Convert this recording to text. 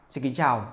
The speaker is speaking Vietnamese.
xin kính chào